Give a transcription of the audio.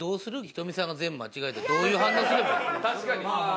ｈｉｔｏｍｉさんが全部間違えたらどういう反応すればいい？